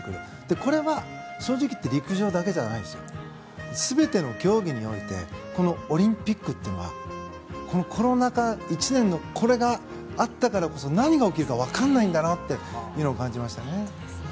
これは正直言って陸上だけじゃなく全ての競技においてオリンピックというのはコロナ禍１年のこれがあったからこそ何が起きるか分からないんだと感じましたね。